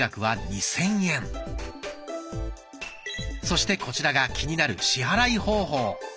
そしてこちらが気になる支払い方法。